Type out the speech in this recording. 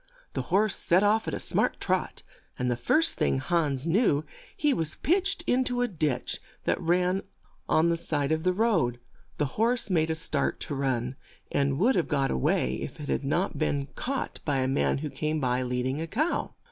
" The horse set off at a smart trot, and the first thing Hans knew he was pitched in to a ditch that ran at the side of the road. The horse made a start to run, and would have got a way if it had not been caught by a man who came by, lead ing a cow.